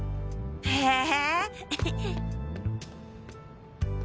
へえ！